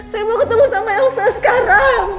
saya mau ketemu sama elsa sekarang